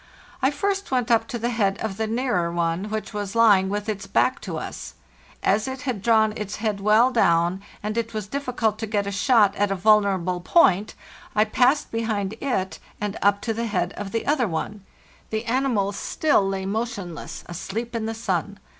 I first went up to the head of the nearer one, which was lying with its back to us. As it had drawn its eet a shot at head well down, and it was difficult to ¢ a vulnerable point, I passed behind it, and up to the head of the other one. The animals still lay motionless, asleep in the sun.